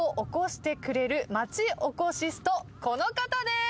この方です。